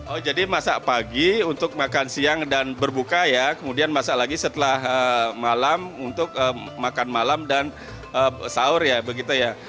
oh jadi masak pagi untuk makan siang dan berbuka ya kemudian masak lagi setelah malam untuk makan malam dan sahur ya begitu ya